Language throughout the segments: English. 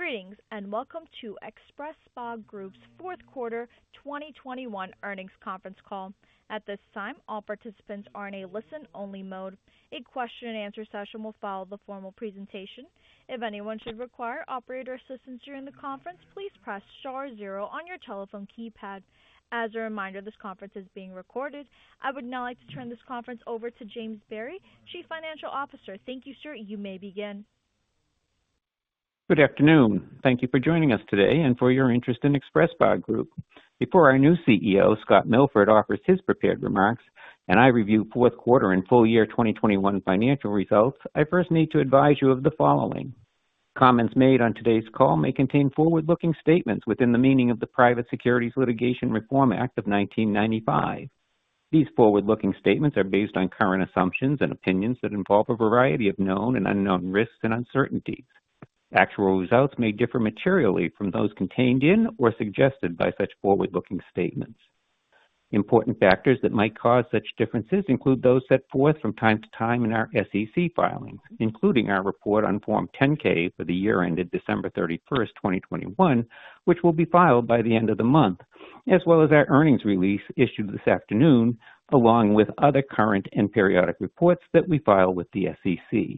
Greetings, and welcome to XpresSpa Group's fourth quarter 2021 earnings conference call. At this time, all participants are in a listen-only mode. A question-and-answer session will follow the formal presentation. If anyone should require operator assistance during the conference, please press star zero on your telephone keypad. As a reminder, this conference is being recorded. I would now like to turn this conference over to James Berry, Chief Financial Officer. Thank you, sir. You may begin. Good afternoon. Thank you for joining us today and for your interest in XpresSpa Group. Before our new CEO, Scott Milford, offers his prepared remarks and I review fourth quarter and full-year 2021 financial results, I first need to advise you of the following. Comments made on today's call may contain forward-looking statements within the meaning of the Private Securities Litigation Reform Act of 1995. These forward-looking statements are based on current assumptions and opinions that involve a variety of known and unknown risks and uncertainties. Actual results may differ materially from those contained in or suggested by such forward-looking statements. Important factors that might cause such differences include those set forth from time to time in our SEC filings, including our report on Form 10-K for the year ended December 31st, 2021, which will be filed by the end of the month, as well as our earnings release issued this afternoon, along with other current and periodic reports that we file with the SEC.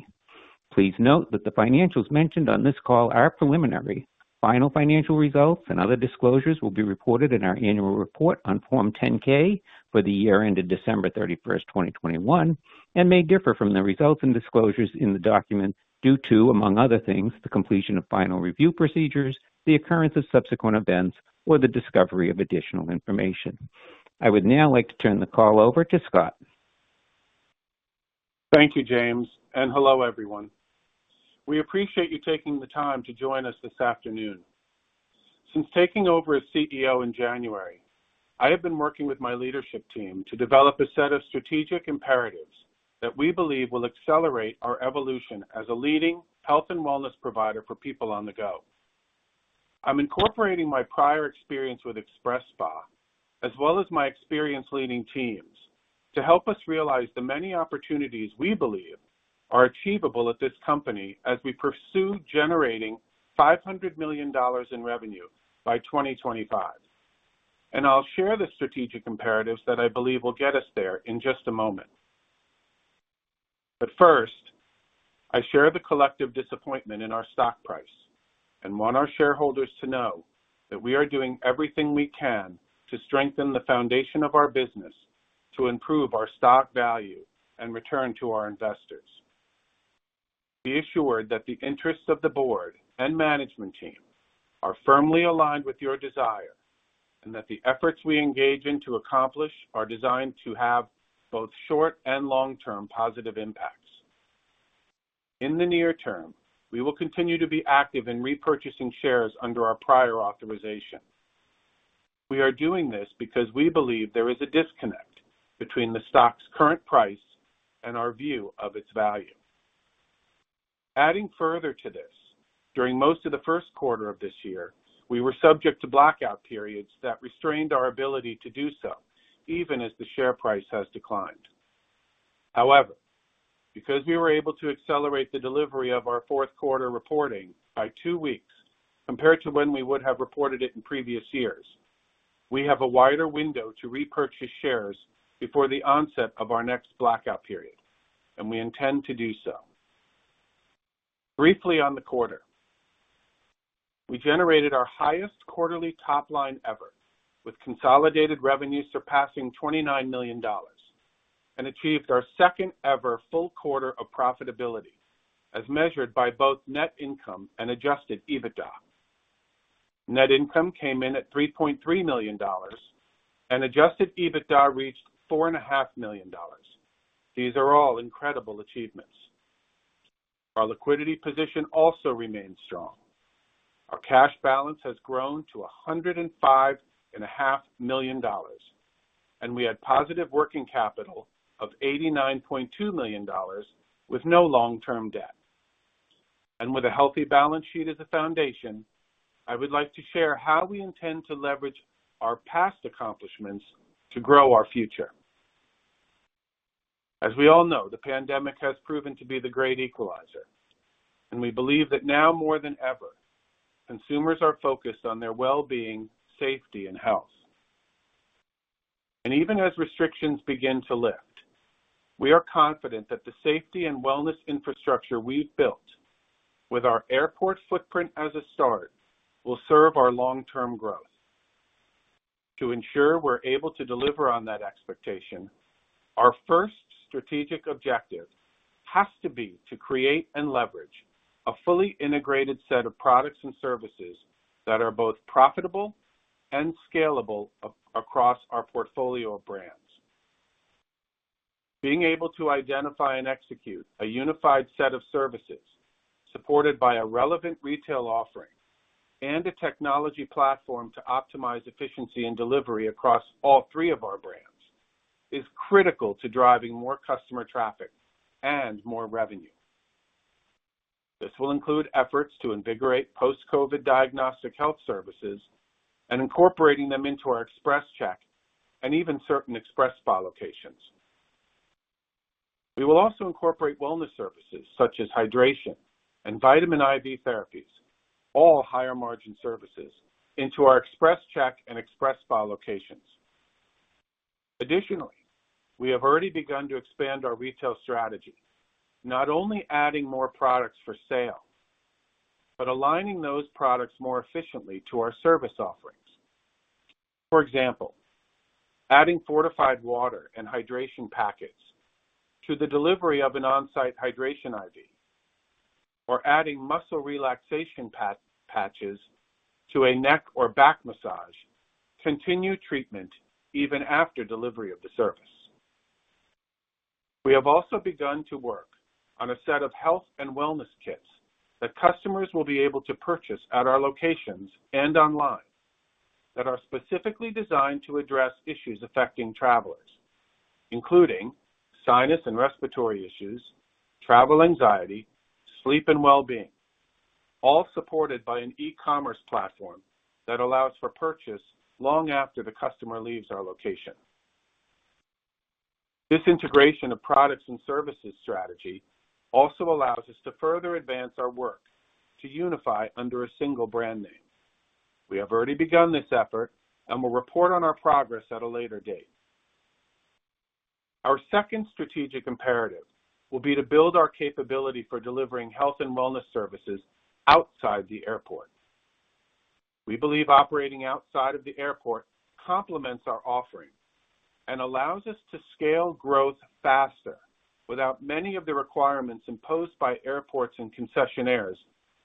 Please note that the financials mentioned on this call are preliminary. Final financial results and other disclosures will be reported in our annual report on Form 10-K for the year ended December 31st, 2021, and may differ from the results and disclosures in the document due to, among other things, the completion of final review procedures, the occurrence of subsequent events, or the discovery of additional information. I would now like to turn the call over to Scott. Thank you, James, and hello, everyone. We appreciate you taking the time to join us this afternoon. Since taking over as CEO in January, I have been working with my leadership team to develop a set of strategic imperatives that we believe will accelerate our evolution as a leading health and wellness provider for people on the go. I'm incorporating my prior experience with XpresSpa, as well as my experience leading teams, to help us realize the many opportunities we believe are achievable at this company as we pursue generating $500 million in revenue by 2025. I'll share the strategic imperatives that I believe will get us there in just a moment. First, I share the collective disappointment in our stock price and want our shareholders to know that we are doing everything we can to strengthen the foundation of our business to improve our stock value and return to our investors. Be assured that the interests of the board and management team are firmly aligned with your desire and that the efforts we engage in to accomplish are designed to have both short and long-term positive impacts. In the near term, we will continue to be active in repurchasing shares under our prior authorization. We are doing this because we believe there is a disconnect between the stock's current price and our view of its value. Adding further to this, during most of the first quarter of this year, we were subject to blackout periods that restrained our ability to do so, even as the share price has declined. However, because we were able to accelerate the delivery of our fourth quarter reporting by two weeks compared to when we would have reported it in previous years, we have a wider window to repurchase shares before the onset of our next blackout period, and we intend to do so. Briefly on the quarter, we generated our highest quarterly top line ever with consolidated revenue surpassing $29 million and achieved our second ever full quarter of profitability as measured by both net income and adjusted EBITDA. Net income came in at $3.3 million and adjusted EBITDA reached $4.5 million. These are all incredible achievements. Our liquidity position also remains strong. Our cash balance has grown to $105.5 million, and we had positive working capital of $89.2 million with no long-term debt. With a healthy balance sheet as a foundation, I would like to share how we intend to leverage our past accomplishments to grow our future. As we all know, the pandemic has proven to be the great equalizer, and we believe that now more than ever, consumers are focused on their well-being, safety, and health. Even as restrictions begin to lift, we are confident that the safety and wellness infrastructure we've built with our airport footprint as a start will serve our long-term growth. To ensure we're able to deliver on that expectation, our first strategic objective has to be to create and leverage a fully integrated set of products and services that are both profitable and scalable across our portfolio of brands. Being able to identify and execute a unified set of services supported by a relevant retail offering and a technology platform to optimize efficiency and delivery across all three of our brands is critical to driving more customer traffic and more revenue. This will include efforts to invigorate post-COVID diagnostic health services and incorporating them into our XpresCheck and even certain XpresSpa locations. We will also incorporate wellness services such as hydration and vitamin IV therapies, all higher margin services, into our XpresCheck and XpresSpa locations. Additionally, we have already begun to expand our retail strategy, not only adding more products for sale, but aligning those products more efficiently to our service offerings. For example, adding fortified water and hydration packets to the delivery of an on-site hydration IV, or adding muscle relaxation pat-patches to a neck or back massage continue treatment even after delivery of the service. We have also begun to work on a set of health and wellness kits that customers will be able to purchase at our locations and online that are specifically designed to address issues affecting travelers, including sinus and respiratory issues, travel anxiety, sleep and wellbeing, all supported by an e-commerce platform that allows for purchase long after the customer leaves our location. This integration of products and services strategy also allows us to further advance our work to unify under a single brand name. We have already begun this effort and will report on our progress at a later date. Our second strategic imperative will be to build our capability for delivering health and wellness services outside the airport. We believe operating outside of the airport complements our offering and allows us to scale growth faster without many of the requirements imposed by airports and concessionaires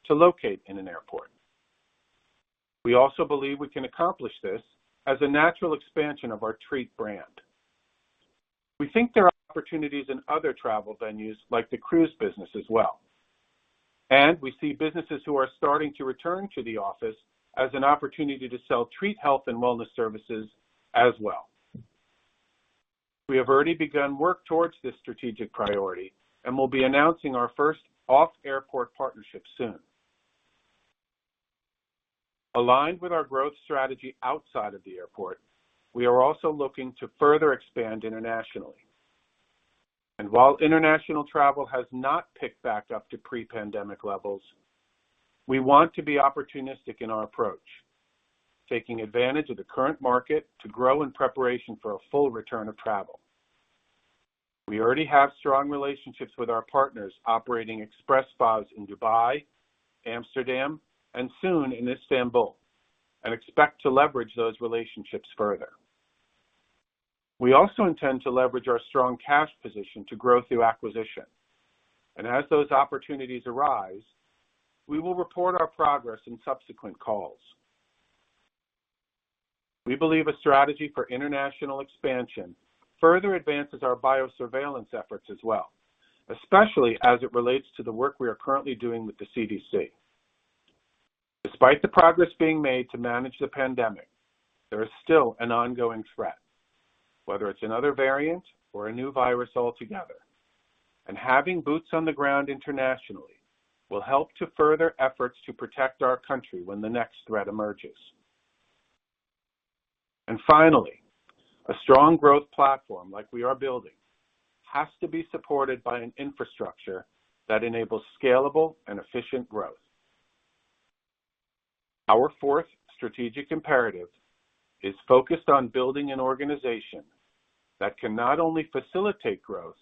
to locate in an airport. We also believe we can accomplish this as a natural expansion of our Treat brand. We think there are opportunities in other travel venues like the cruise business as well, and we see businesses who are starting to return to the office as an opportunity to sell Treat health and wellness services as well. We have already begun work towards this strategic priority and will be announcing our first off-airport partnership soon. Aligned with our growth strategy outside of the airport, we are also looking to further expand internationally. While international travel has not picked back up to pre-pandemic levels, we want to be opportunistic in our approach, taking advantage of the current market to grow in preparation for a full return of travel. We already have strong relationships with our partners operating XpresSpa in Dubai, Amsterdam, and soon in Istanbul, and expect to leverage those relationships further. We also intend to leverage our strong cash position to grow through acquisition. As those opportunities arise, we will report our progress in subsequent calls. We believe a strategy for international expansion further advances our biosurveillance efforts as well, especially as it relates to the work we are currently doing with the CDC. Despite the progress being made to manage the pandemic, there is still an ongoing threat, whether it's another variant or a new virus altogether. Having boots on the ground internationally will help to further efforts to protect our country when the next threat emerges. Finally, a strong growth platform like we are building has to be supported by an infrastructure that enables scalable and efficient growth. Our fourth strategic imperative is focused on building an organization that can not only facilitate growth,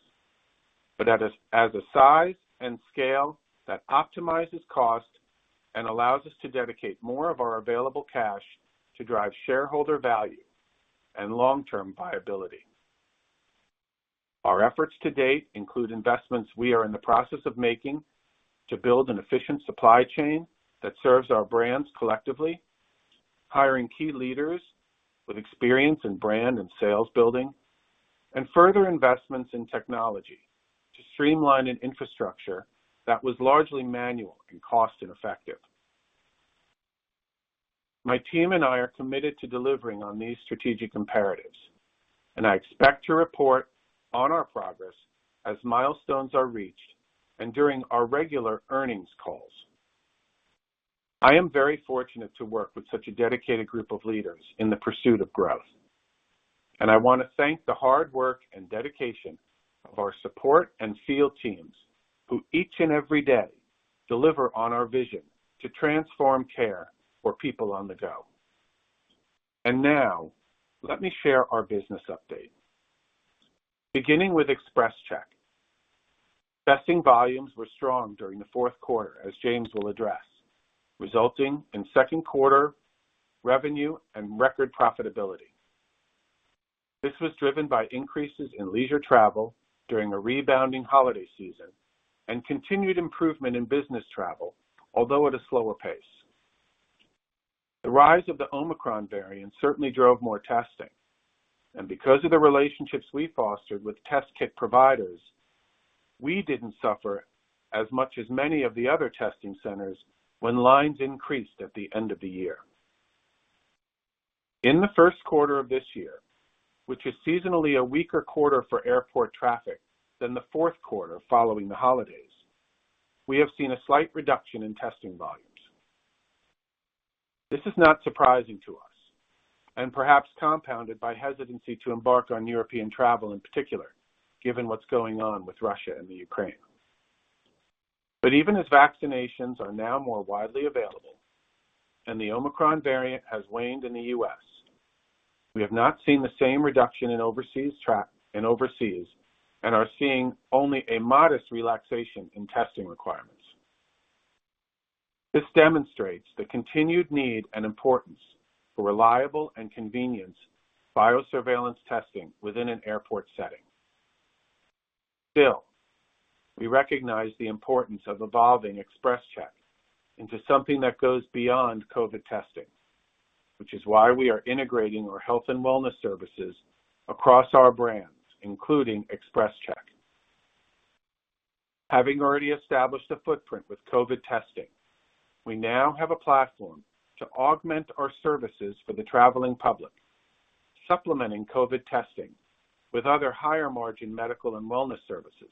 but has a size and scale that optimizes cost and allows us to dedicate more of our available cash to drive shareholder value and long-term viability. Our efforts to date include investments we are in the process of making to build an efficient supply chain that serves our brands collectively, hiring key leaders with experience in brand and sales building, and further investments in technology to streamline an infrastructure that was largely manual and cost-ineffective. My team and I are committed to delivering on these strategic imperatives, and I expect to report on our progress as milestones are reached and during our regular earnings calls. I am very fortunate to work with such a dedicated group of leaders in the pursuit of growth, and I wanna thank the hard work and dedication of our support and field teams, who each and every day deliver on our vision to transform care for people on the go. Now, let me share our business update. Beginning with XpresCheck. Testing volumes were strong during the fourth quarter, as James will address, resulting in second quarter revenue and record profitability. This was driven by increases in leisure travel during a rebounding holiday season and continued improvement in business travel, although at a slower pace. The rise of the Omicron variant certainly drove more testing, and because of the relationships we fostered with test kit providers, we didn't suffer as much as many of the other testing centers when lines increased at the end of the year. In the first quarter of this year, which is seasonally a weaker quarter for airport traffic than the fourth quarter following the holidays, we have seen a slight reduction in testing volumes. This is not surprising to us, and perhaps compounded by hesitancy to embark on European travel in particular, given what's going on with Russia and the Ukraine. Even as vaccinations are now more widely available and the Omicron variant has waned in the U.S., we have not seen the same reduction in overseas and are seeing only a modest relaxation in testing requirements. This demonstrates the continued need and importance for reliable and convenient biosurveillance testing within an airport setting. Still, we recognize the importance of evolving XpresCheck into something that goes beyond COVID testing, which is why we are integrating our health and wellness services across our brands, including XpresCheck. Having already established a footprint with COVID testing, we now have a platform to augment our services for the traveling public, supplementing COVID testing with other higher-margin medical and wellness services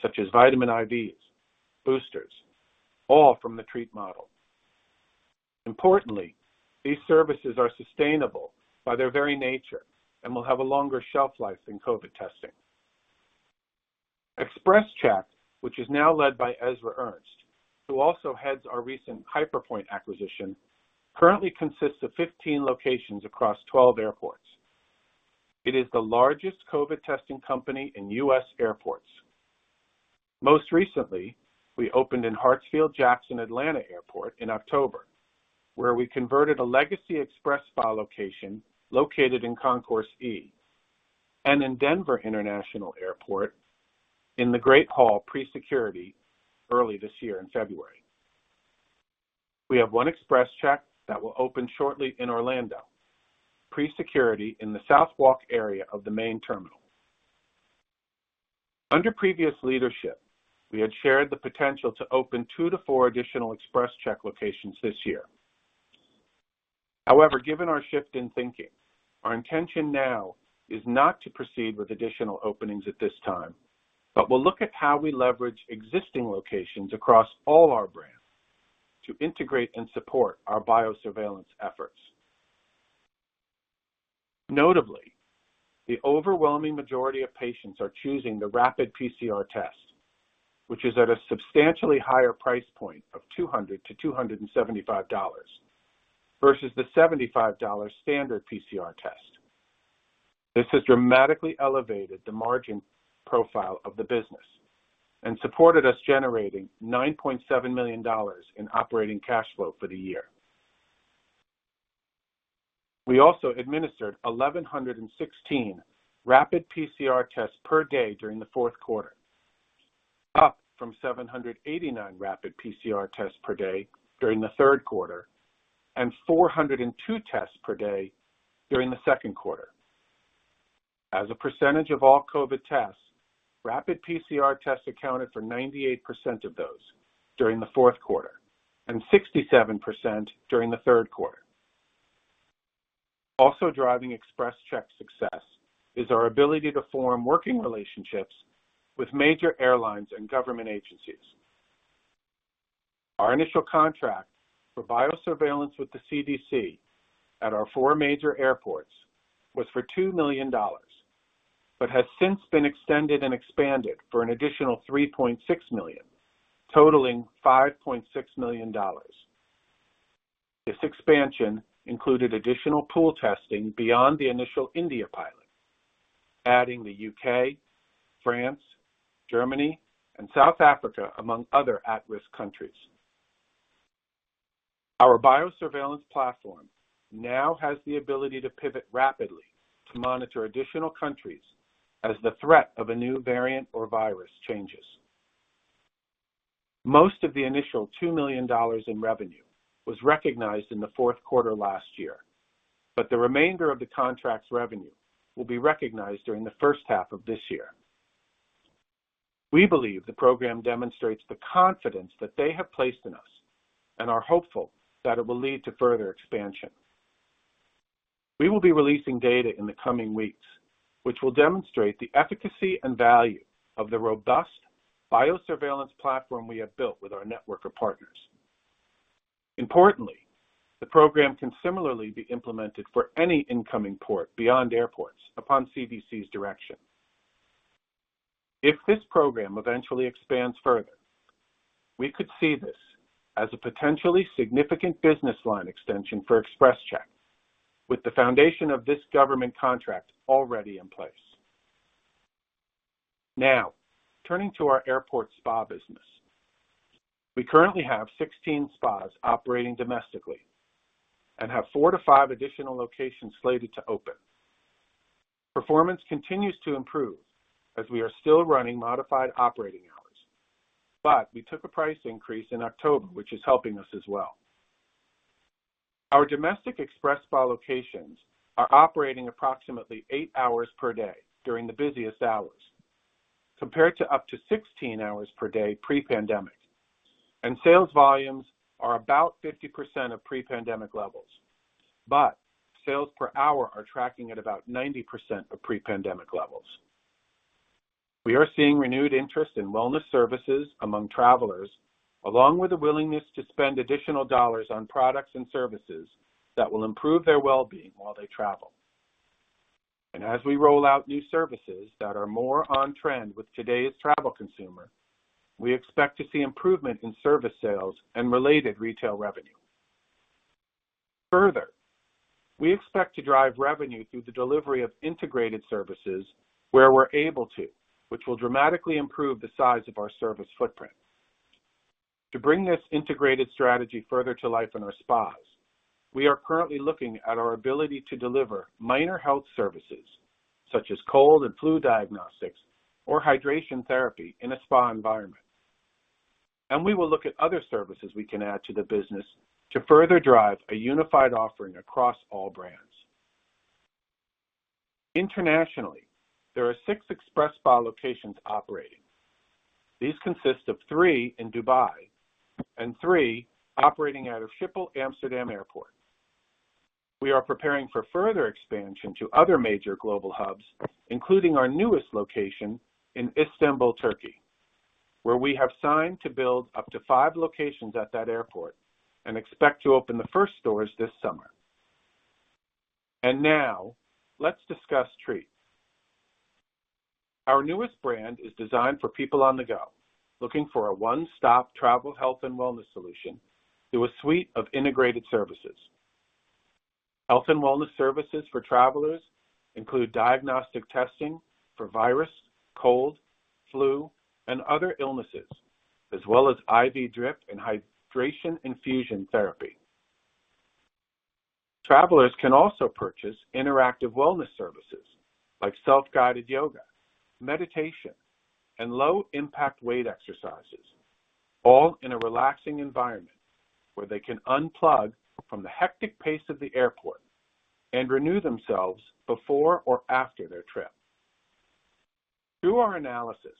such as vitamin IVs, boosters, all from the Treat model. Importantly, these services are sustainable by their very nature and will have a longer shelf life than COVID testing. XpresCheck, which is now led by Ezra Ernst, who also heads our recent HyperPointe acquisition, currently consists of 15 locations across 12 airports. It is the largest COVID testing company in U.S. airports. Most recently, we opened in Hartsfield-Jackson Atlanta Airport in October, where we converted a legacy XpresSpa location located in Concourse E, and in Denver International Airport in the Great Hall pre-security early this year in February. We have one XpresCheck that will open shortly in Orlando, pre-security in the South Walk area of the main terminal. Under previous leadership, we had shared the potential to open two to four additional XpresCheck locations this year. However, given our shift in thinking, our intention now is not to proceed with additional openings at this time, but we'll look at how we leverage existing locations across all our brands to integrate and support our biosurveillance efforts. Notably, the overwhelming majority of patients are choosing the rapid PCR test, which is at a substantially higher price point of $200-$275 versus the $75 standard PCR test. This has dramatically elevated the margin profile of the business and supported us generating $9.7 million in operating cash flow for the year. We also administered 1,116 rapid PCR tests per day during the fourth quarter, up from 789 rapid PCR tests per day during the third quarter and 402 tests per day during the second quarter. As a percentage of all COVID tests, rapid PCR tests accounted for 98% of those during the fourth quarter and 67% during the third quarter. Also driving XpresCheck's success is our ability to form working relationships with major airlines and government agencies. Our initial contract for biosurveillance with the CDC at our four major airports was for $2 million, but has since been extended and expanded for an additional $3.6 million, totaling $5.6 million. This expansion included additional pool testing beyond the initial India pilot, adding the U.K., France, Germany, and South Africa, among other at-risk countries. Our biosurveillance platform now has the ability to pivot rapidly to monitor additional countries as the threat of a new variant or virus changes. Most of the initial $2 million in revenue was recognized in the fourth quarter last year, but the remainder of the contract's revenue will be recognized during the first half of this year. We believe the program demonstrates the confidence that they have placed in us and are hopeful that it will lead to further expansion. We will be releasing data in the coming weeks which will demonstrate the efficacy and value of the robust biosurveillance platform we have built with our network of partners. Importantly, the program can similarly be implemented for any incoming port beyond airports upon CDC's direction. If this program eventually expands further, we could see this as a potentially significant business line extension for XpresCheck, with the foundation of this government contract already in place. Now, turning to our airport spa business. We currently have 16 spas operating domestically and have four to five additional locations slated to open. Performance continues to improve as we are still running modified operating hours, but we took a price increase in October, which is helping us as well. Our domestic XpresSpa locations are operating approximately eight hours per day during the busiest hours, compared to up to 16 hours per day pre-pandemic. Sales volumes are about 50% of pre-pandemic levels, but sales per hour are tracking at about 90% of pre-pandemic levels. We are seeing renewed interest in wellness services among travelers, along with a willingness to spend additional dollars on products and services that will improve their well-being while they travel. As we roll out new services that are more on trend with today's travel consumer, we expect to see improvement in service sales and related retail revenue. Further, we expect to drive revenue through the delivery of integrated services where we're able to, which will dramatically improve the size of our service footprint. To bring this integrated strategy further to life in our spas, we are currently looking at our ability to deliver minor health services such as cold and flu diagnostics or hydration therapy in a spa environment, and we will look at other services we can add to the business to further drive a unified offering across all brands. Internationally, there are six XpresSpa locations operating. These consist of three in Dubai and three operating out of Schiphol Amsterdam Airport. We are preparing for further expansion to other major global hubs, including our newest location in Istanbul, Turkey, where we have signed to build up to five locations at that airport and expect to open the first stores this summer. Now let's discuss Treat. Our newest brand is designed for people on the go, looking for a one-stop travel, health, and wellness solution through a suite of integrated services. Health and wellness services for travelers include diagnostic testing for virus, cold, flu, and other illnesses, as well as IV drip and hydration infusion therapy. Travelers can also purchase interactive wellness services like self-guided yoga, meditation, and low-impact weight exercises, all in a relaxing environment where they can unplug from the hectic pace of the airport and renew themselves before or after their trip. Through our analysis,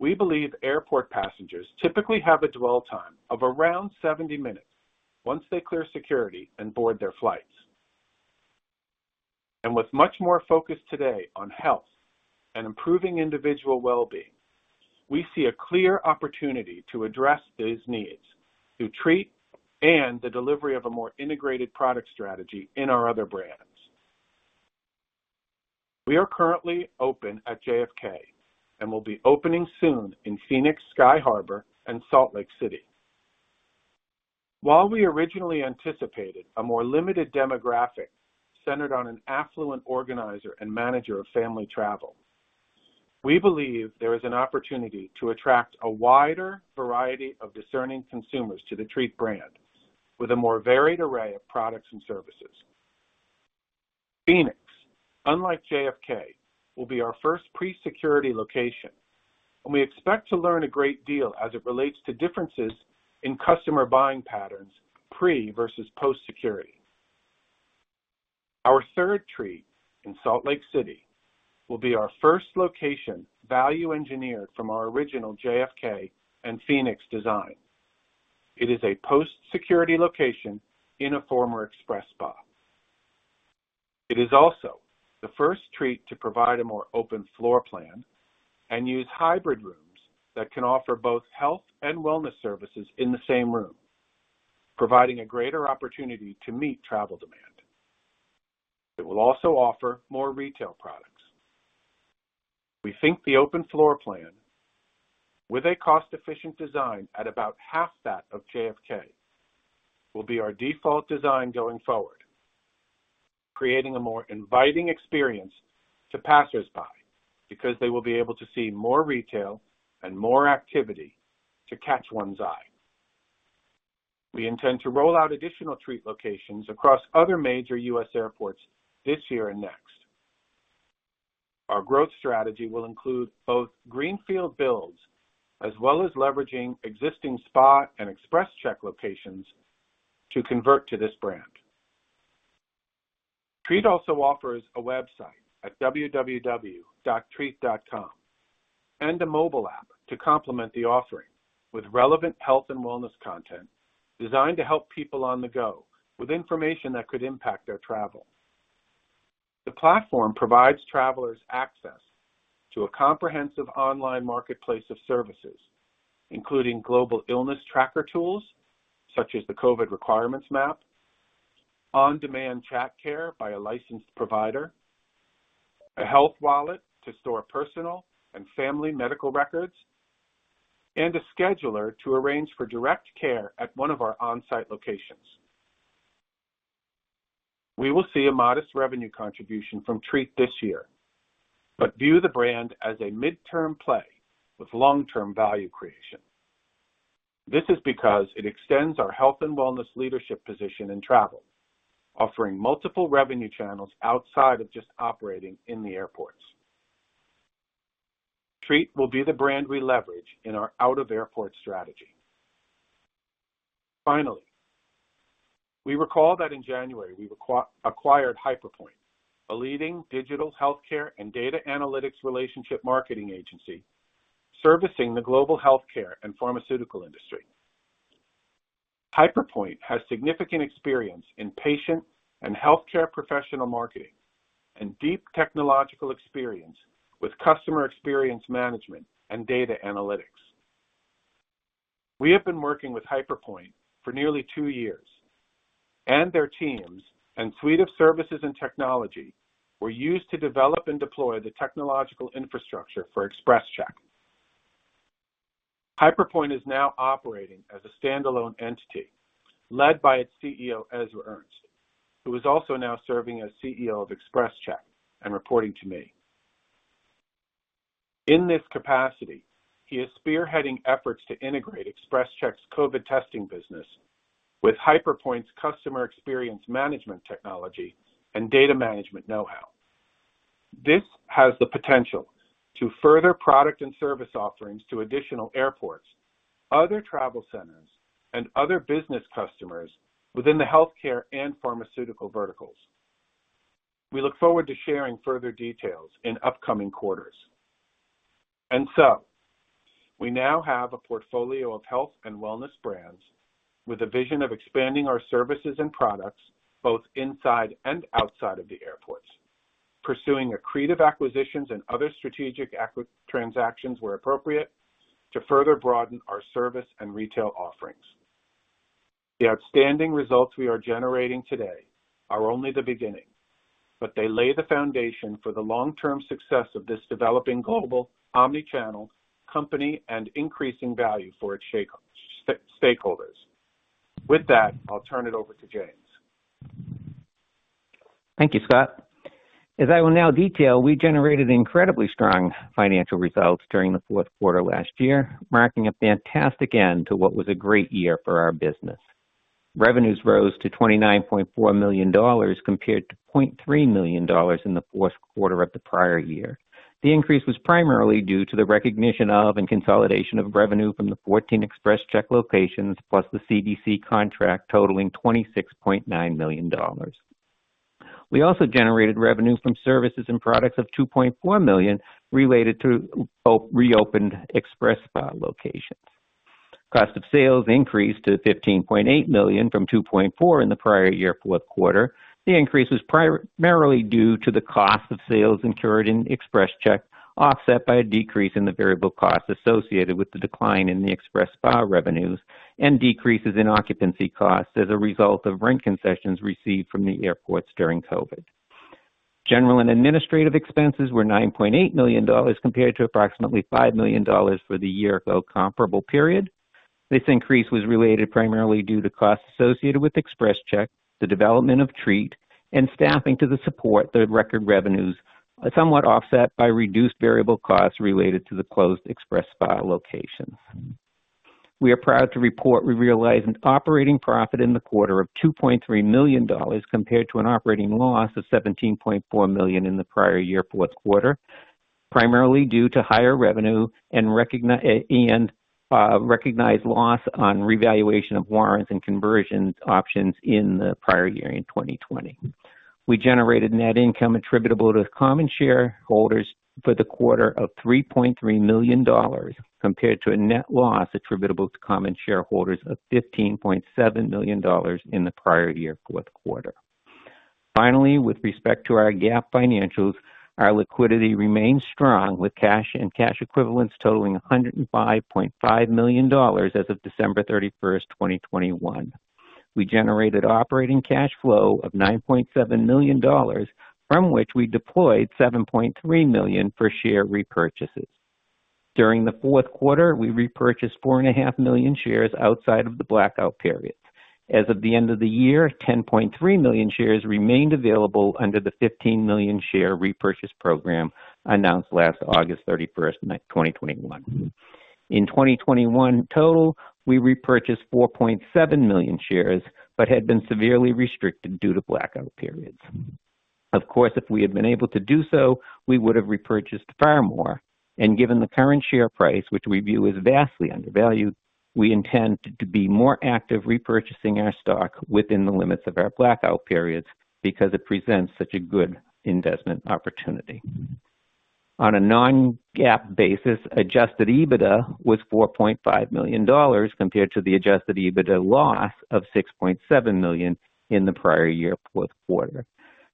we believe airport passengers typically have a dwell time of around 70 minutes once they clear security and board their flights. With much more focus today on health and improving individual well-being, we see a clear opportunity to address these needs through Treat and the delivery of a more integrated product strategy in our other brands. We are currently open at JFK and will be opening soon in Phoenix Sky Harbor and Salt Lake City. While we originally anticipated a more limited demographic centered on an affluent organizer and manager of family travel, we believe there is an opportunity to attract a wider variety of discerning consumers to the Treat brand with a more varied array of products and services. Phoenix, unlike JFK, will be our first pre-security location, and we expect to learn a great deal as it relates to differences in customer buying patterns pre- versus post-security. Our third Treat in Salt Lake City will be our first location value-engineered from our original JFK and Phoenix design. It is a post-security location in a former XpresSpa. It is also the first Treat to provide a more open floor plan and use hybrid rooms that can offer both health and wellness services in the same room, providing a greater opportunity to meet travel demand. It will also offer more retail products. We think the open floor plan, with a cost-efficient design at about half that of JFK, will be our default design going forward, creating a more inviting experience to passersby because they will be able to see more retail and more activity to catch one's eye. We intend to roll out additional Treat locations across other major U.S. airports this year and next. Our growth strategy will include both greenfield builds as well as leveraging existing Spa and XpresCheck locations to convert to this brand. Treat also offers a website at www.treat.com and a mobile app to complement the offering with relevant health and wellness content designed to help people on the go with information that could impact their travel. The platform provides travelers access to a comprehensive online marketplace of services, including global illness tracker tools such as the COVID Requirements Map, on-demand chat care by a licensed provider, a health wallet to store personal and family medical records, and a scheduler to arrange for direct care at one of our on-site locations. We will see a modest revenue contribution from Treat this year, but view the brand as a midterm play with long-term value creation. This is because it extends our health and wellness leadership position in travel, offering multiple revenue channels outside of just operating in the airports. Treat will be the brand we leverage in our out-of-airport strategy. Finally, we recall that in January, we acquired HyperPointe, a leading digital healthcare and data analytics relationship marketing agency servicing the global healthcare and pharmaceutical industry. HyperPointe has significant experience in patient and healthcare professional marketing and deep technological experience with customer experience management and data analytics. We have been working with HyperPointe for nearly two years, and their teams and suite of services and technology were used to develop and deploy the technological infrastructure for XpresCheck. HyperPointe is now operating as a standalone entity led by its CEO, Ezra Ernst, who is also now serving as CEO of XpresCheck and reporting to me. In this capacity, he is spearheading efforts to integrate XpresCheck's COVID testing business with HyperPointe's customer experience management technology and data management know-how. This has the potential to further product and service offerings to additional airports, other travel centers, and other business customers within the healthcare and pharmaceutical verticals. We look forward to sharing further details in upcoming quarters. We now have a portfolio of health and wellness brands with a vision of expanding our services and products both inside and outside of the airports, pursuing accretive acquisitions and other strategic transactions where appropriate to further broaden our service and retail offerings. The outstanding results we are generating today are only the beginning, but they lay the foundation for the long-term success of this developing global omni-channel company and increasing value for its stakeholders. With that, I'll turn it over to James. Thank you, Scott. As I will now detail, we generated incredibly strong financial results during the fourth quarter last year, marking a fantastic end to what was a great year for our business. Revenues rose to $29.4 million compared to $0.3 million in the fourth quarter of the prior year. The increase was primarily due to the recognition of and consolidation of revenue from the 14 XpresCheck locations, plus the CDC contract totaling $26.9 million. We also generated revenue from services and products of $2.4 million related to our reopened XpresSpa locations. Cost of sales increased to $15.8 million from $2.4 million in the prior year fourth quarter. The increase was primarily due to the cost of sales incurred in XpresCheck, offset by a decrease in the variable costs associated with the decline in the XpresSpa revenues and decreases in occupancy costs as a result of rent concessions received from the airports during COVID. General and administrative expenses were $9.8 million compared to approximately $5 million for the year-ago comparable period. This increase was related primarily due to costs associated with XpresCheck, the development of Treat, and staffing to support the record revenues, somewhat offset by reduced variable costs related to the closed XpresSpa locations. We are proud to report we realized an operating profit in the quarter of $2.3 million compared to an operating loss of $17.4 million in the prior year fourth quarter, primarily due to higher revenue and recognized loss on revaluation of warrants and conversions options in the prior year in 2020. We generated net income attributable to common shareholders for the quarter of $3.3 million compared to a net loss attributable to common shareholders of $15.7 million in the prior year fourth quarter. Finally, with respect to our GAAP financials, our liquidity remains strong with cash and cash equivalents totaling $105.5 million as of December 31st, 2021. We generated operating cash flow of $9.7 million, from which we deployed $7.3 million for share repurchases. During the fourth quarter, we repurchased 4.5 million shares outside of the blackout periods. As of the end of the year, 10.3 million shares remained available under the 15 million share repurchase program announced last August 31st, 2021. In 2021 total, we repurchased 4.7 million shares but had been severely restricted due to blackout periods. Of course, if we had been able to do so, we would have repurchased far more. Given the current share price, which we view as vastly undervalued, we intend to be more active repurchasing our stock within the limits of our blackout periods because it presents such a good investment opportunity. On a non-GAAP basis, adjusted EBITDA was $4.5 million compared to the adjusted EBITDA loss of $6.7 million in the prior year fourth quarter.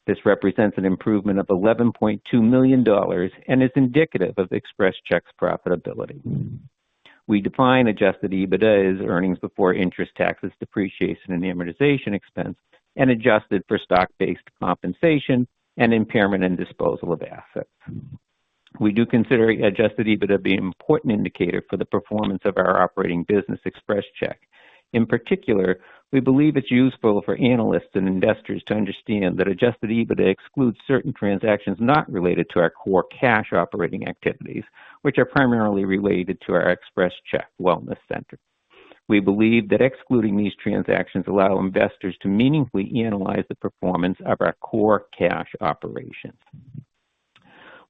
This represents an improvement of $11.2 million and is indicative of XpresCheck's profitability. We define adjusted EBITDA as earnings before interest, taxes, depreciation, and amortization expense and adjusted for stock-based compensation and impairment and disposal of assets. We do consider adjusted EBITDA to be an important indicator for the performance of our operating business, XpresCheck. In particular, we believe it's useful for analysts and investors to understand that adjusted EBITDA excludes certain transactions not related to our core cash operating activities, which are primarily related to our XpresCheck wellness centers. We believe that excluding these transactions allow investors to meaningfully analyze the performance of our core cash operations.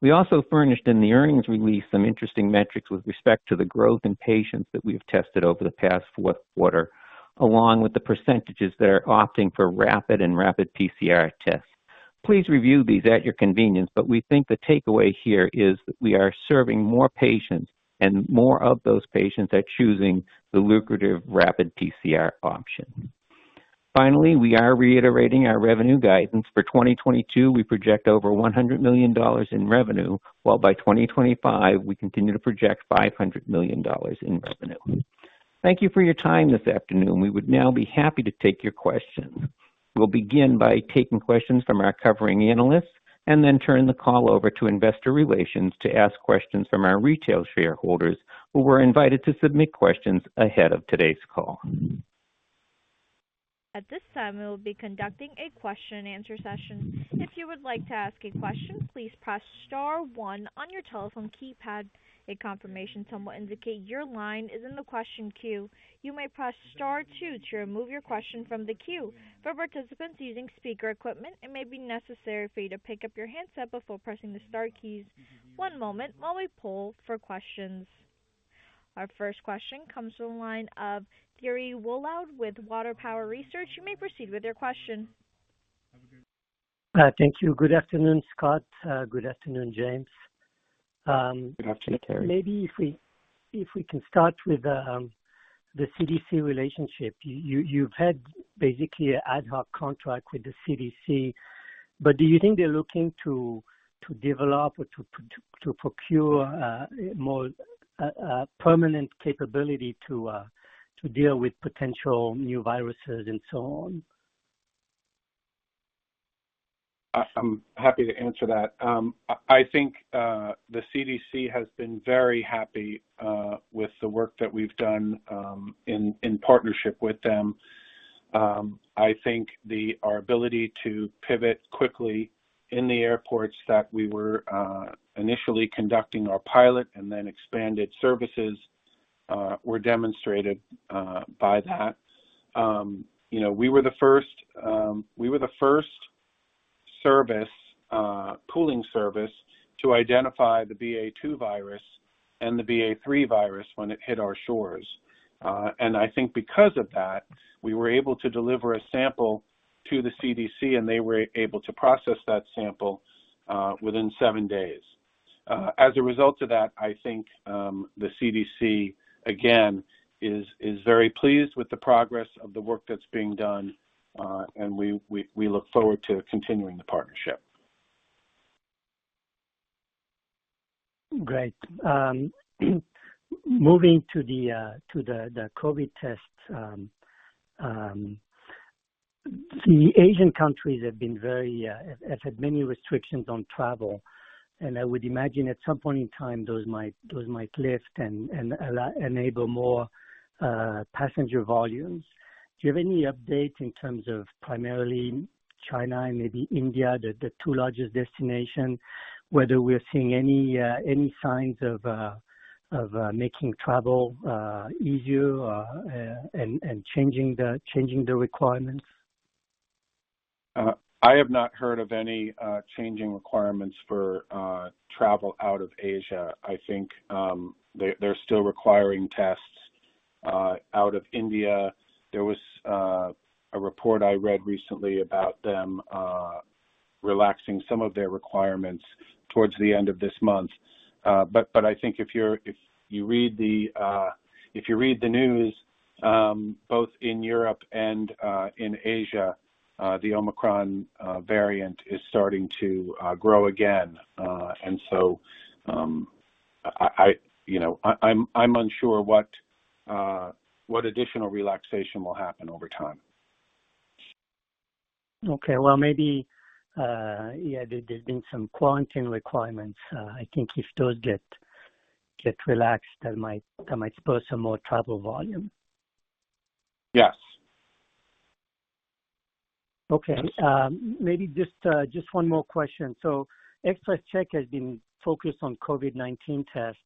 We also furnished in the earnings release some interesting metrics with respect to the growth in patients that we have tested over the past fourth quarter, along with the percentages that are opting for rapid PCR tests. Please review these at your convenience, but we think the takeaway here is that we are serving more patients and more of those patients are choosing the lucrative rapid PCR option. Finally, we are reiterating our revenue guidance. For 2022, we project over $100 million in revenue, while by 2025 we continue to project $500 million in revenue. Thank you for your time this afternoon. We would now be happy to take your questions. We'll begin by taking questions from our covering analysts and then turn the call over to investor relations to ask questions from our retail shareholders who were invited to submit questions ahead of today's call. At this time, we will be conducting a question and answer session. If you would like to ask a question, please press star one on your telephone keypad. A confirmation tone will indicate your line is in the question queue. You may press star two to remove your question from the queue. For participants using speaker equipment, it may be necessary for you to pick up your handset before pressing the star keys. One moment while we poll for questions. Our first question comes from the line of Thierry Wuilloud with Water Tower Research. You may proceed with your question. Thank you. Good afternoon, Scott. Good afternoon, James. Good afternoon, Thierry. Maybe if we can start with the CDC relationship. You've had basically an ad hoc contract with the CDC, but do you think they're looking to develop or to procure more permanent capability to deal with potential new viruses and so on? I'm happy to answer that. I think the CDC has been very happy with the work that we've done in partnership with them. Our ability to pivot quickly in the airports that we were initially conducting our pilot and then expanded services were demonstrated by that. You know, we were the first pooling service to identify the BA.2 virus and the BA.3 virus when it hit our shores. I think because of that, we were able to deliver a sample to the CDC, and they were able to process that sample within seven days. As a result of that, I think, the CDC again is very pleased with the progress of the work that's being done, and we look forward to continuing the partnership. Great. Moving to the COVID tests. The Asian countries have had many restrictions on travel, and I would imagine at some point in time, those might lift and enable more passenger volumes. Do you have any updates in terms of primarily China and maybe India, the two largest destinations, whether we're seeing any signs of making travel easier or changing the requirements? I have not heard of any changing requirements for travel out of Asia. I think they're still requiring tests out of India. There was a report I read recently about them relaxing some of their requirements towards the end of this month. I think if you read the news, both in Europe and in Asia, the Omicron variant is starting to grow again. You know, I'm unsure what additional relaxation will happen over time. Okay. Well, maybe, yeah, there's been some quarantine requirements. I think if those get relaxed, that might spur some more travel volume. Yes. Okay. Maybe just one more question. XpresCheck has been focused on COVID-19 tests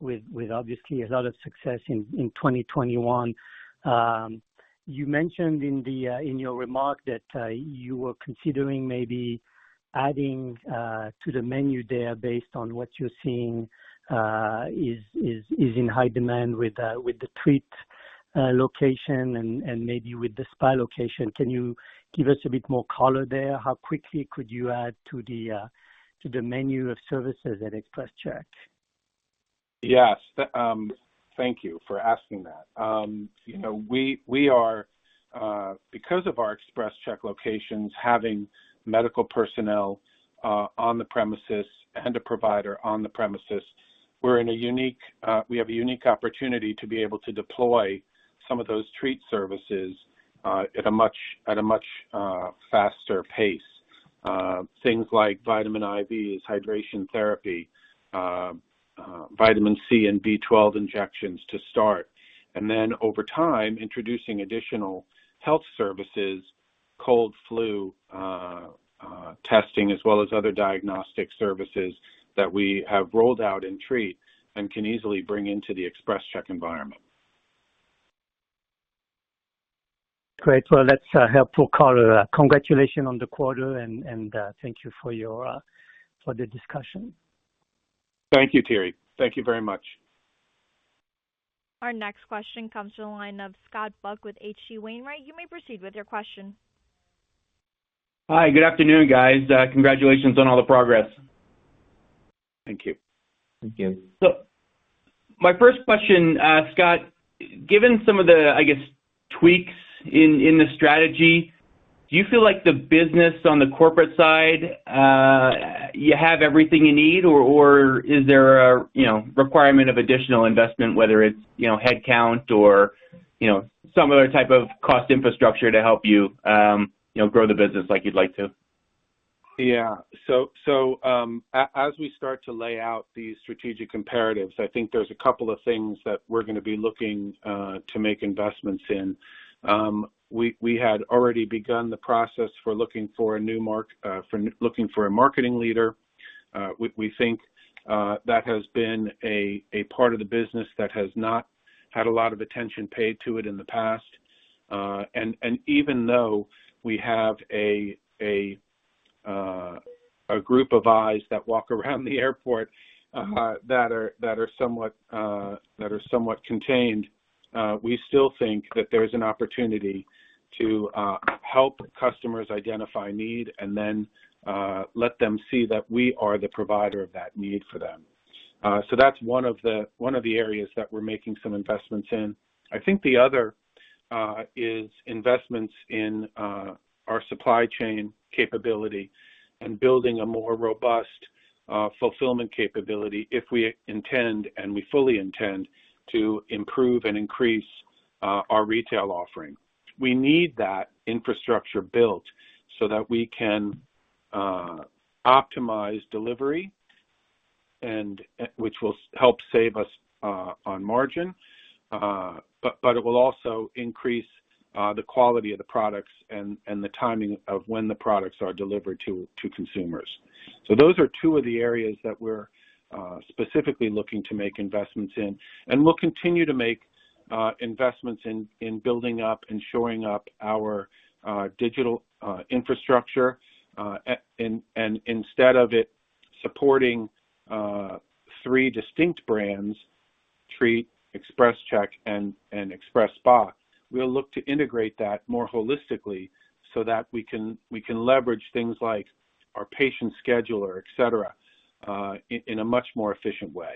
with obviously a lot of success in 2021. You mentioned in your remarks that you were considering maybe adding to the menu there based on what you're seeing is in high demand with the Treat location and maybe with the XpresSpa location. Can you give us a bit more color there? How quickly could you add to the menu of services at XpresCheck? Yes. Thank you for asking that. You know, we are because of our XpresCheck locations having medical personnel on the premises and a provider on the premises, we have a unique opportunity to be able to deploy some of those Treat services at a much faster pace. Things like vitamin IVs, hydration therapy, vitamin C and B12 injections to start, and then over time, introducing additional health services, cold, flu, testing as well as other diagnostic services that we have rolled out in Treat and can easily bring into the XpresCheck environment. Great. Well, that's a helpful color. Congratulations on the quarter and thank you for the discussion. Thank you, Thierry. Thank you very much. Our next question comes from the line of Scott Buck with H.C. Wainwright. You may proceed with your question. Hi, good afternoon, guys. Congratulations on all the progress. Thank you. Thank you. My first question, Scott, given some of the, I guess, tweaks in the strategy, do you feel like the business on the corporate side, you have everything you need or is there a, you know, requirement of additional investment, whether it's, you know, headcount or, you know, some other type of cost infrastructure to help you know, grow the business like you'd like to? As we start to lay out these strategic imperatives, I think there's a couple of things that we're gonna be looking to make investments in. We had already begun the process for looking for a marketing leader. We think that has been a part of the business that has not had a lot of attention paid to it in the past. Even though we have a group of eyes that walk around the airport that are somewhat contained, we still think that there's an opportunity to help customers identify need and then let them see that we are the provider of that need for them. That's one of the areas that we're making some investments in. I think the other is investments in our supply chain capability and building a more robust fulfillment capability if we intend, and we fully intend to improve and increase our retail offering. We need that infrastructure built so that we can optimize delivery, which will help save us on margin, but it will also increase the quality of the products and the timing of when the products are delivered to consumers. Those are two of the areas that we're specifically looking to make investments in. We'll continue to make investments in building up and shoring up our digital infrastructure. Instead of it supporting three distinct brands, Treat, XpresCheck, and XpresSpa, we'll look to integrate that more holistically so that we can leverage things like our patient scheduler, et cetera, in a much more efficient way.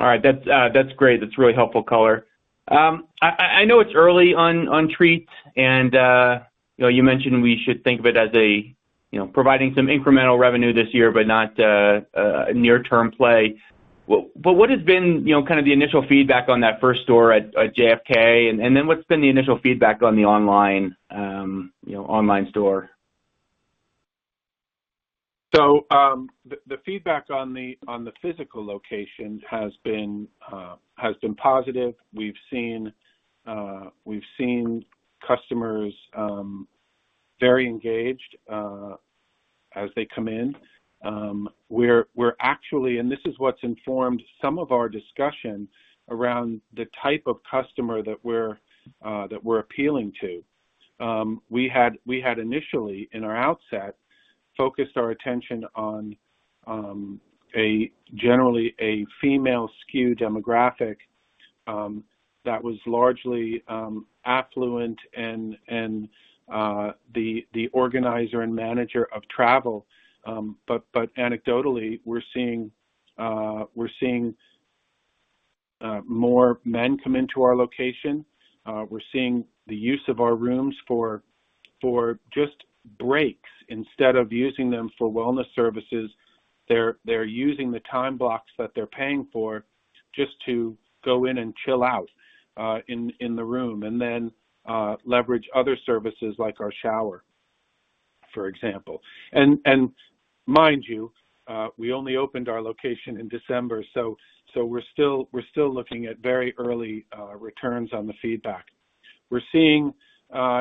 All right. That's great. That's a really helpful color. I know it's early on Treat and you know, you mentioned we should think of it as providing some incremental revenue this year, but not a near-term play. What has been the initial feedback on that first store at JFK? And then what's been the initial feedback on the online, you know, online store? The feedback on the physical location has been positive. We've seen customers very engaged as they come in. This is what's informed some of our discussion around the type of customer that we're appealing to. We had initially, in our outset, focused our attention on a female skew demographic that was largely affluent and the organizer and manager of travel. Anecdotally, we're seeing more men come into our location. We're seeing the use of our rooms for just breaks instead of using them for wellness services. They're using the time blocks that they're paying for just to go in and chill out in the room, and then leverage other services like our shower, for example. Mind you, we only opened our location in December, so we're still looking at very early returns on the feedback. We're seeing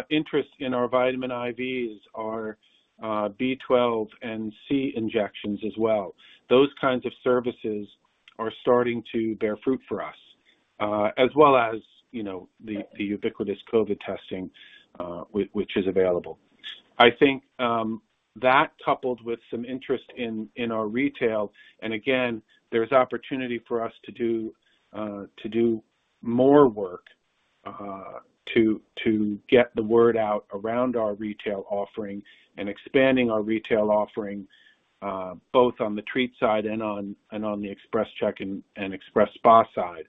interest in our vitamin IVs, our B12 and C injections as well. Those kinds of services are starting to bear fruit for us, as well as, you know, the ubiquitous COVID testing, which is available. I think that coupled with some interest in our retail, and again, there's opportunity for us to do more work to get the word out around our retail offering and expanding our retail offering, both on the Treat side and on the XpresCheck and XpresSpa side.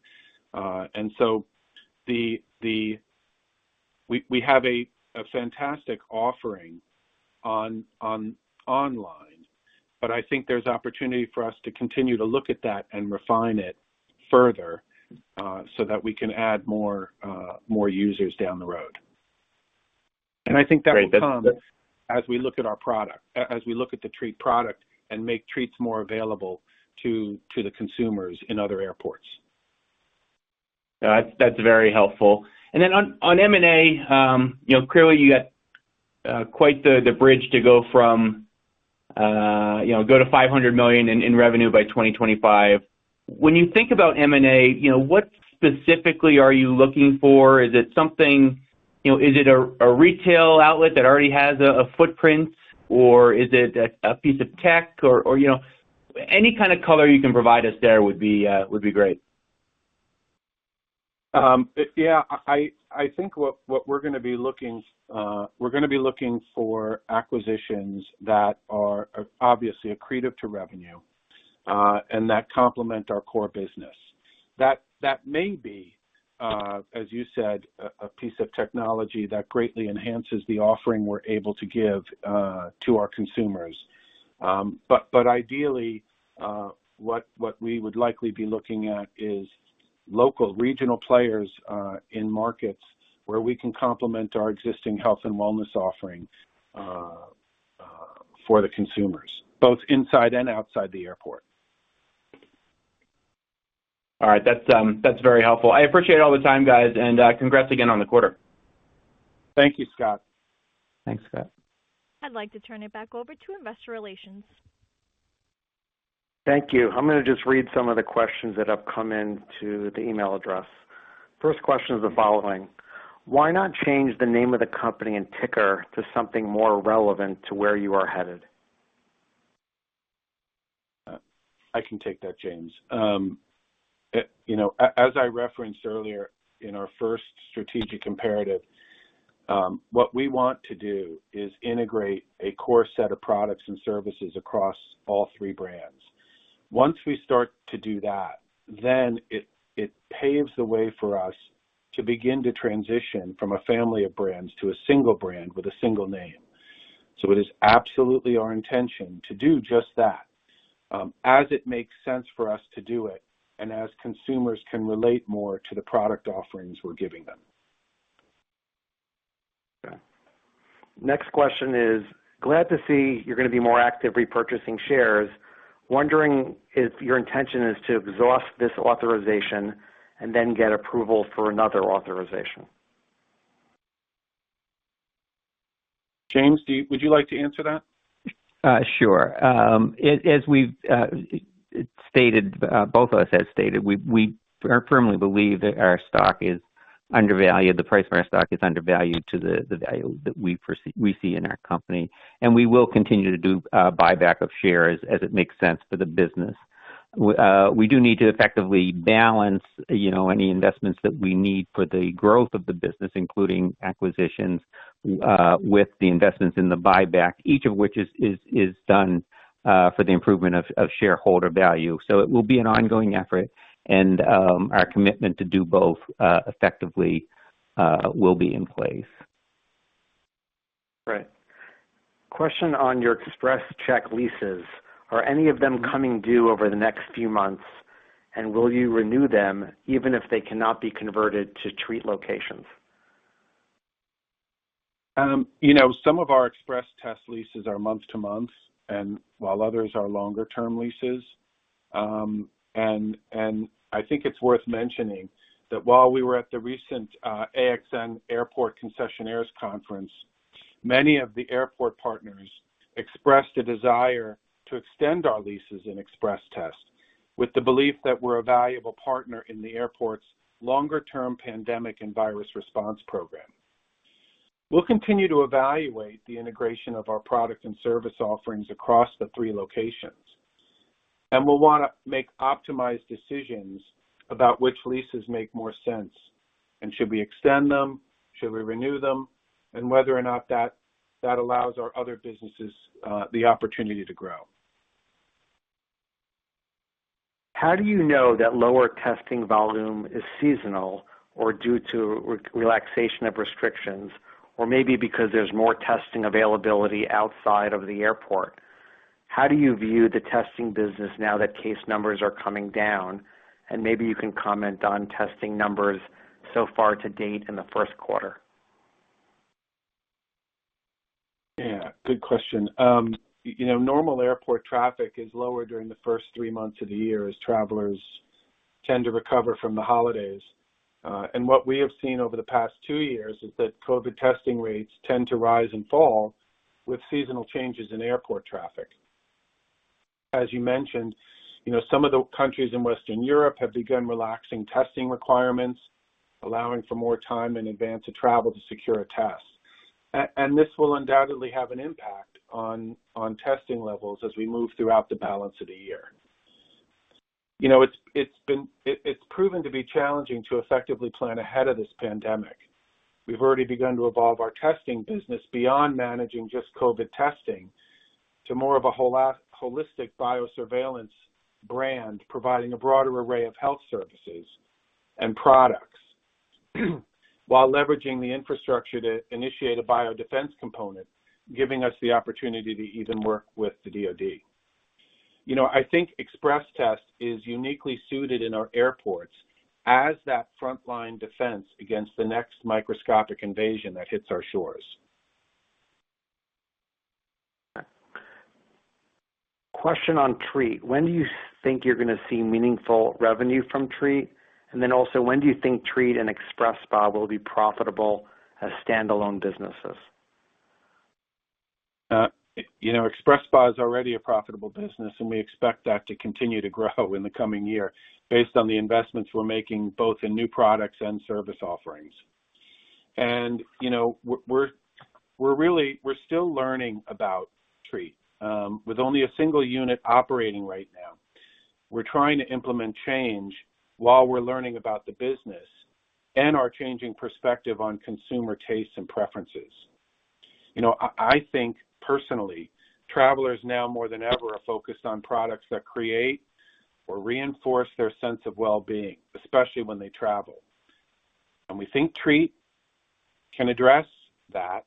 We have a fantastic offering online, but I think there's opportunity for us to continue to look at that and refine it further, so that we can add more users down the road. Great. I think that will come as we look at the Treat product and make Treats more available to the consumers in other airports. That's very helpful. On M&A, you know, clearly, you got quite the bridge to go from you know to $500 million in revenue by 2025. When you think about M&A, you know, what specifically are you looking for? Is it something? You know, is it a retail outlet that already has a footprint? Or is it a piece of tech or you know. Any kind of color you can provide us there would be great. Yeah. I think what we're gonna be looking for acquisitions that are obviously accretive to revenue and that complement our core business. That may be, as you said, a piece of technology that greatly enhances the offering we're able to give to our consumers. Ideally, what we would likely be looking at is local regional players in markets where we can complement our existing health and wellness offerings for the consumers, both inside and outside the airport. All right. That's very helpful. I appreciate all the time, guys, and congrats again on the quarter. Thank you, Scott. Thanks, Scott. I'd like to turn it back over to Investor Relations. Thank you. I'm gonna just read some of the questions that have come into the email address. First question is the following: Why not change the name of the company and ticker to something more relevant to where you are headed? I can take that, James. You know, as I referenced earlier in our first strategic imperative, what we want to do is integrate a core set of products and services across all three brands. Once we start to do that, then it paves the way for us to begin to transition from a family of brands to a single brand with a single name. It is absolutely our intention to do just that, as it makes sense for us to do it and as consumers can relate more to the product offerings we're giving them. Okay. Next question is: Glad to see you're gonna be more active repurchasing shares. Wondering if your intention is to exhaust this authorization and then get approval for another authorization. James, would you like to answer that? Sure. As we've stated, both of us has stated, we firmly believe that our stock is undervalued, the price for our stock is undervalued to the value that we see in our company, and we will continue to do buyback of shares as it makes sense for the business. We do need to effectively balance, you know, any investments that we need for the growth of the business, including acquisitions, with the investments in the buyback, each of which is done for the improvement of shareholder value. It will be an ongoing effort, and our commitment to do both effectively will be in place. Right. Question on your XpresCheck leases, are any of them coming due over the next few months, and will you renew them even if they cannot be converted to Treat locations? You know, some of our XpresCheck leases are month to month, and while others are longer term leases. I think it's worth mentioning that while we were at the recent AX and Airport Concessionaires Conference, many of the airport partners expressed a desire to extend our leases in XpresCheck with the belief that we're a valuable partner in the airport's longer-term pandemic and virus response program. We'll continue to evaluate the integration of our product and service offerings across the three locations, and we'll wanna make optimized decisions about which leases make more sense, and should we extend them, should we renew them, and whether or not that allows our other businesses the opportunity to grow. How do you know that lower testing volume is seasonal or due to re-relaxation of restrictions or maybe because there's more testing availability outside of the airport? How do you view the testing business now that case numbers are coming down? Maybe you can comment on testing numbers so far to date in the first quarter. Yeah, good question. You know, normal airport traffic is lower during the first three months of the year as travelers tend to recover from the holidays. What we have seen over the past two years is that COVID testing rates tend to rise and fall with seasonal changes in airport traffic. As you mentioned, you know, some of the countries in Western Europe have begun relaxing testing requirements, allowing for more time in advance of travel to secure a test. This will undoubtedly have an impact on testing levels as we move throughout the balance of the year. You know, it's proven to be challenging to effectively plan ahead of this pandemic. We've already begun to evolve our testing business beyond managing just COVID testing to more of a holistic biosurveillance brand, providing a broader array of health services and products, while leveraging the infrastructure to initiate a biodefense component, giving us the opportunity to even work with the DOD. You know, I think XpresTest is uniquely suited in our airports as that frontline defense against the next microscopic invasion that hits our shores. Question on Treat. When do you think you're gonna see meaningful revenue from Treat? When do you think Treat and XpresSpa will be profitable as standalone businesses? You know, XpresSpa is already a profitable business, and we expect that to continue to grow in the coming year based on the investments we're making both in new products and service offerings. You know, we're still learning about Treat. With only a single unit operating right now, we're trying to implement change while we're learning about the business and our changing perspective on consumer tastes and preferences. You know, I think personally, travelers now more than ever are focused on products that create or reinforce their sense of wellbeing, especially when they travel. We think Treat can address that,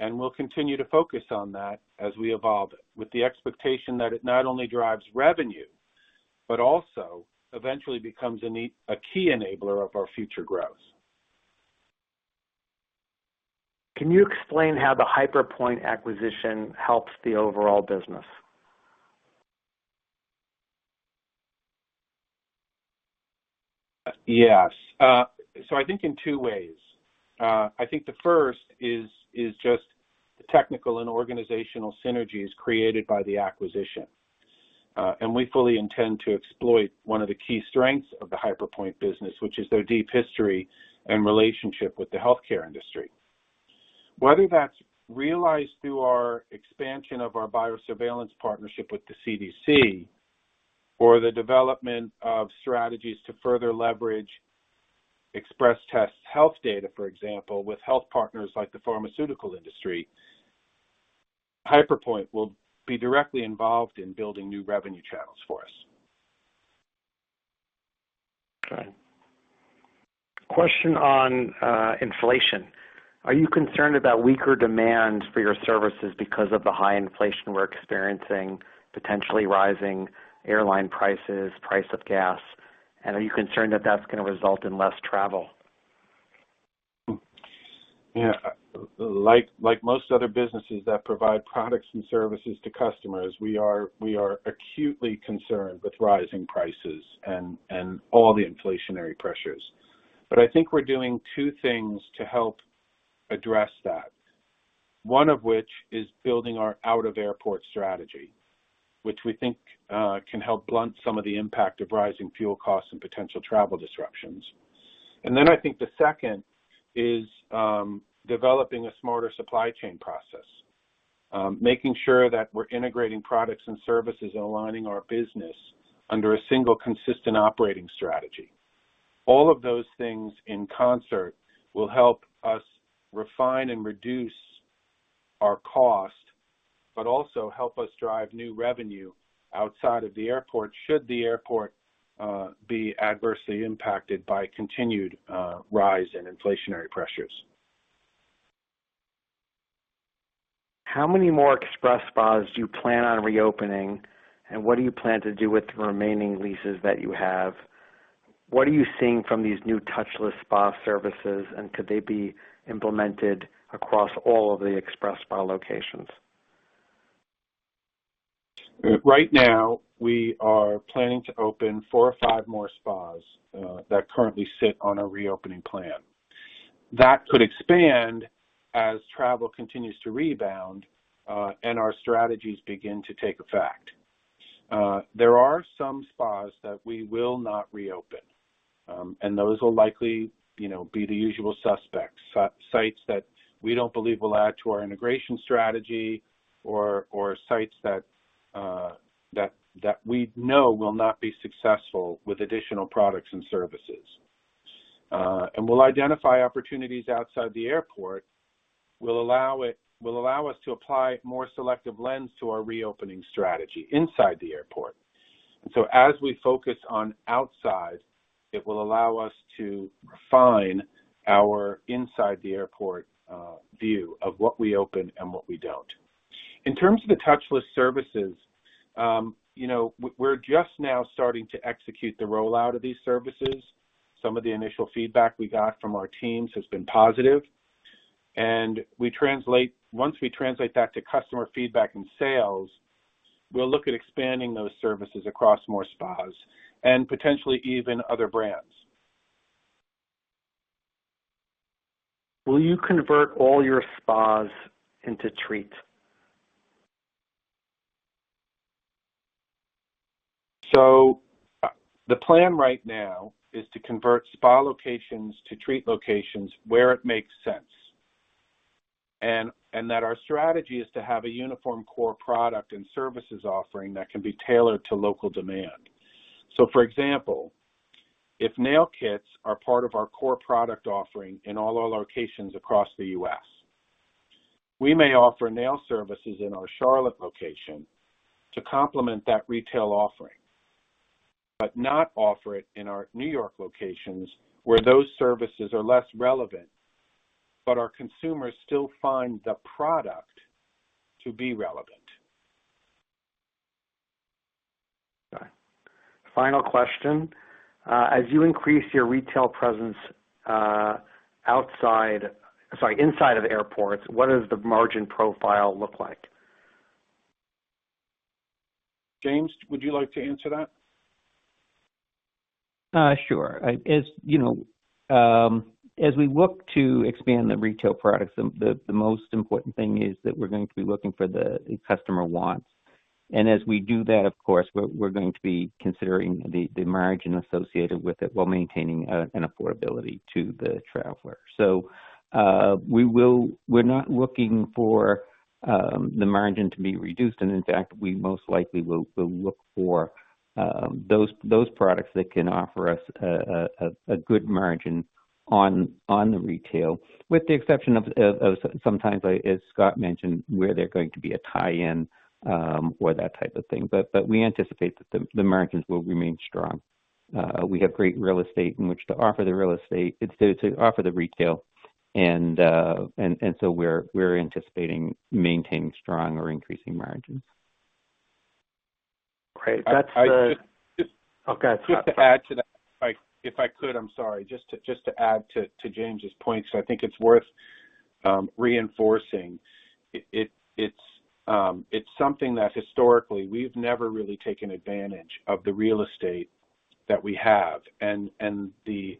and we'll continue to focus on that as we evolve it with the expectation that it not only drives revenue, but also eventually becomes a key enabler of our future growth. Can you explain how the HyperPointe acquisition helps the overall business? Yes. I think in two ways. I think the first is just the technical and organizational synergies created by the acquisition. We fully intend to exploit one of the key strengths of the HyperPointe business, which is their deep history and relationship with the healthcare industry. Whether that's realized through our expansion of our biosurveillance partnership with the CDC or the development of strategies to further leverage XpresTest's health data, for example, with health partners like the pharmaceutical industry, HyperPointe will be directly involved in building new revenue channels for us. Okay. Question on inflation. Are you concerned about weaker demand for your services because of the high inflation we're experiencing, potentially rising airline prices, price of gas? Are you concerned that that's gonna result in less travel? Yeah. Like most other businesses that provide products and services to customers, we are acutely concerned with rising prices and all the inflationary pressures. I think we're doing two things to help address that, one of which is building our out-of-airport strategy, which we think can help blunt some of the impact of rising fuel costs and potential travel disruptions. I think the second is developing a smarter supply chain process, making sure that we're integrating products and services and aligning our business under a single consistent operating strategy. All of those things in concert will help us refine and reduce our cost, but also help us drive new revenue outside of the airport, should the airport be adversely impacted by continued rise in inflationary pressures. How many more XpresSpas do you plan on reopening, and what do you plan to do with the remaining leases that you have? What are you seeing from these new touchless spa services, and could they be implemented across all of the XpresSpa locations? Right now, we are planning to open four or five more spas that currently sit on a reopening plan. That could expand as travel continues to rebound and our strategies begin to take effect. There are some spas that we will not reopen, and those will likely, you know, be the usual suspects, sites that we don't believe will add to our integration strategy or sites that we know will not be successful with additional products and services. We'll identify opportunities outside the airport that will allow us to apply more selective lens to our reopening strategy inside the airport. As we focus on outside, it will allow us to refine our inside-the-airport view of what we open and what we don't. In terms of the touchless services, you know, we're just now starting to execute the rollout of these services. Some of the initial feedback we got from our teams has been positive, and once we translate that to customer feedback and sales, we'll look at expanding those services across more spas and potentially even other brands. Will you convert all your spas into Treat? The plan right now is to convert spa locations to Treat locations where it makes sense, and that our strategy is to have a uniform core product and services offering that can be tailored to local demand. For example, if nail kits are part of our core product offering in all our locations across the U.S., we may offer nail services in our Charlotte location to complement that retail offering, but not offer it in our New York locations where those services are less relevant, but our consumers still find the product to be relevant. Okay. Final question. As you increase your retail presence inside of airports, what does the margin profile look like? James, would you like to answer that? Sure. As you know, as we look to expand the retail products, the most important thing is that we're going to be looking for the customer wants. As we do that, of course, we're going to be considering the margin associated with it while maintaining an affordability to the traveler. We're not looking for the margin to be reduced. In fact, we most likely will look for those products that can offer us a good margin on the retail, with the exception of sometimes, as Scott mentioned, where there's going to be a tie-in or that type of thing. We anticipate that the margins will remain strong. We have great real estate in which to offer the retail and so we're anticipating maintaining strong or increasing margins. Great. That's the I just- Okay. Just to add to that, if I could. I'm sorry. Just to add to James' point. I think it's worth reinforcing. It's something that historically we've never really taken advantage of the real estate that we have and the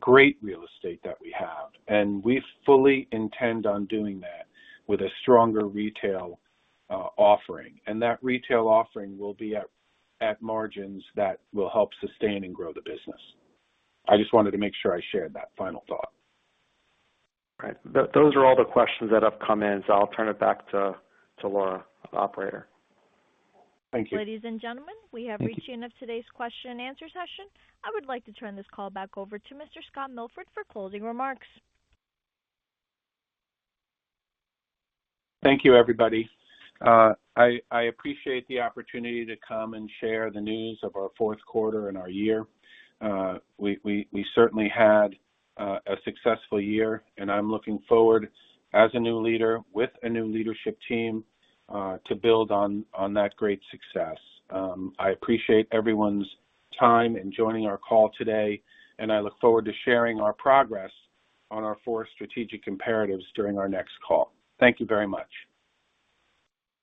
great real estate that we have. We fully intend on doing that with a stronger retail offering. That retail offering will be at margins that will help sustain and grow the business. I just wanted to make sure I shared that final thought. Right. Those are all the questions that have come in, so I'll turn it back to Laura, the operator. Thank you. Ladies and gentlemen. We have reached the end of today's question and answer session. I would like to turn this call back over to Mr. Scott Milford for closing remarks. Thank you, everybody. I appreciate the opportunity to come and share the news of our fourth quarter and our year. We certainly had a successful year, and I'm looking forward as a new leader with a new leadership team to build on that great success. I appreciate everyone's time in joining our call today, and I look forward to sharing our progress on our four strategic imperatives during our next call. Thank you very much.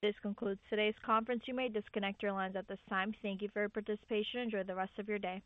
This concludes today's conference. You may disconnect your lines at this time. Thank you for your participation. Enjoy the rest of your day.